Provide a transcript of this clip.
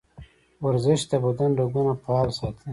ورزش د بدن رګونه فعال ساتي.